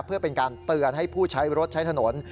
เพื่อเป็นการเตือนให้ผู้ใช้รถใช้ถนน